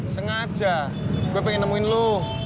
sengaja gue pengen nemuin lu